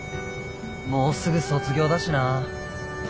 もうすぐ卒業だしな。